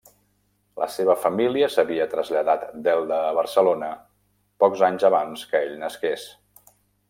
La seva família s'havia traslladat d'Elda a Barcelona pocs anys abans que ell nasqués.